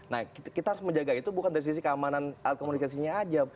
nah kita harus menjaga itu bukan dari sisi keamanan alat komunikasinya aja